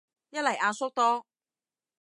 一嚟阿叔多